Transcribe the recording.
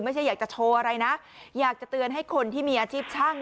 อยากจะโชว์อะไรนะอยากจะเตือนให้คนที่มีอาชีพช่าง